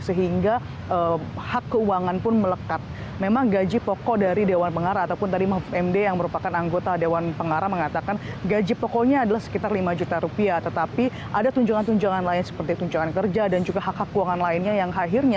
sehingga hak keuangan pun melekat